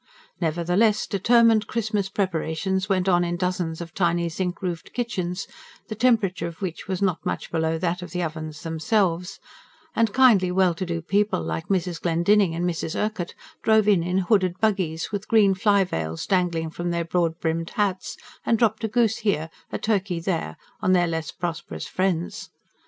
Nevertheless, determined Christmas preparations went on in dozens of tiny, zinc roofed kitchens, the temperature of which was not much below that of the ovens themselves; and kindly, well to do people like Mrs. Glendinning and Mrs. Urquhart drove in in hooded buggies, with green fly veils dangling from their broad brimmed hats, and dropped a goose here, a turkey there, on their less prosperous friends.